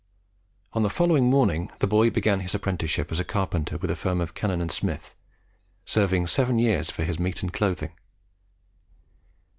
On the following morning the boy began his apprenticeship as a carpenter with the firm of Cannan and Smith, serving seven years for his meat and clothing.